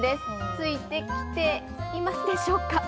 ついてきていますでしょうか。